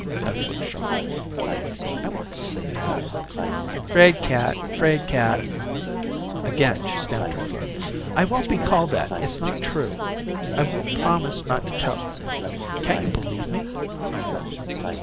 '" Beth looked shocked. "I won't say that." "'Fraid cat. 'Fraid cat." Again she stamped her foot. "I won't be called that. It's not true. I will promise not to tell. Can't you believe me?"